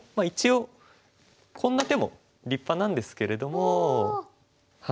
一応こんな手も立派なんですけれども。